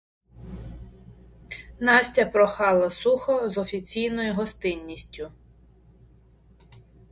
Настя прохала сухо з офіційною гостинністю.